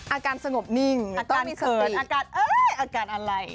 อาการสงบนิ่งต้องมีสติอาการเกิดอาการอะไร